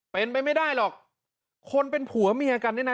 เป็นไปไม่ได้หรอกคนเป็นผัวเมียกันเนี่ยนะ